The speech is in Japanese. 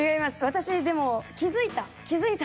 私でも気付いた。